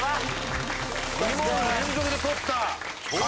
２問連続で取った。